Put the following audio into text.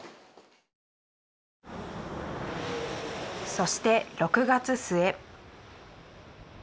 そして６月末。